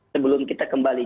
sebelum kita kembali